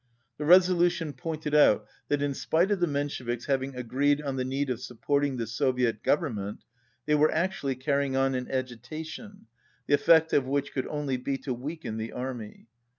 The resolution pointed out that in spite of the Mensheviks having agreed on the need of supporting the Soviet Government they were actually carrying on an agitation, the effect of which could only be to weaken the army.